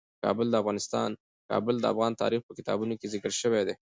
کابل د افغان تاریخ په کتابونو کې ذکر شوی دي.